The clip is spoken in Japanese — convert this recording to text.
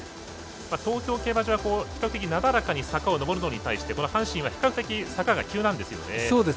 東京競馬場は比較的なだらかに坂を上るのに対して阪神競馬場は比較的坂が急なんですね。